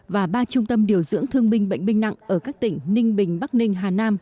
và ba trung tâm điều dưỡng thương binh bệnh binh nặng ở các tỉnh ninh bình bắc ninh hà nam